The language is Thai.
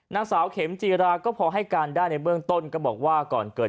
นางสาวเข็มจีราก็พอให้การได้ในเบื้องต้นก็บอกว่าก่อนเกิด